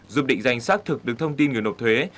giúp định danh xác thực được thông tin người nộp thuế